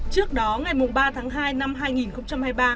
trước đó ngày ba tháng hai